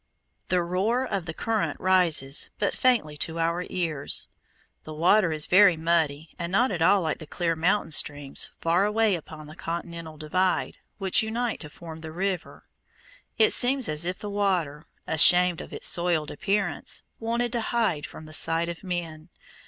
The roar of the current rises but faintly to our ears. The water is very muddy and not at all like the clear mountain streams, far away upon the continental divide, which unite to form the river. It seems as if the water, ashamed of its soiled appearance, wanted to hide from the sight of men.